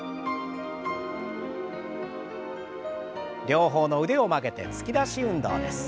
両方の腕を曲げて突き出し運動です。